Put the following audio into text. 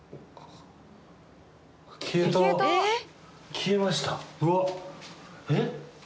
消えましたえっ？